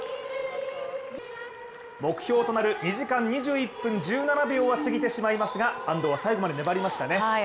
目標となる２時間２１分１７秒は過ぎてしまいますが安藤は最後まで粘りましたね。